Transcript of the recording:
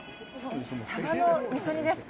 サバのみそ煮ですか？